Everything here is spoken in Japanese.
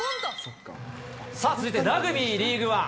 さあ、続いてはラグビーリーグワン。